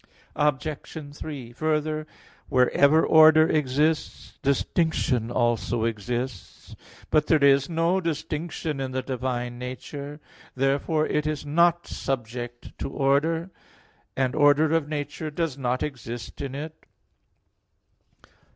Obj. 3: Further, wherever order exists, distinction also exists. But there is no distinction in the divine nature. Therefore it is not subject to order; and order of nature does not exist in it.